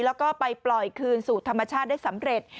แล้วก็ไปปล่อยคืนสู่ธรรมชาติได้สำเร็จ